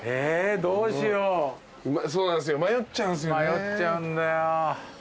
迷っちゃうんだよ。